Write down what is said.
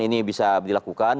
ini bisa dilakukan